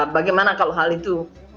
bagaimana kalau hal itu